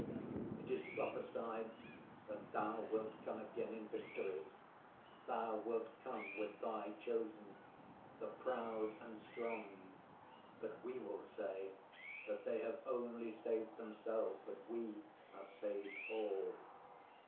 It is prophesied that Thou wilt come again in victory, Thou wilt come with Thy chosen, the proud and strong, but we will say that they have only saved themselves, but we have saved all.